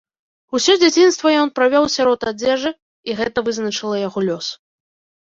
Усё дзяцінства ён правёў сярод адзежы, і гэта вызначыла яго лёс.